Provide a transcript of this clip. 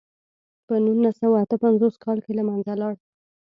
په نولس سوه اته پنځوس کال کې له منځه لاړ.